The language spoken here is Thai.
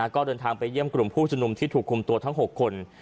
ก็เดินทางไปเยี่ยมกลุ่มผู้ชุมนุมที่ถูกคุมตัวทั้ง๖คน